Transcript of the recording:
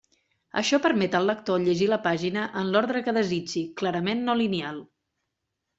Això permet al lector llegir la pàgina en l'ordre que desitgi, clarament no lineal.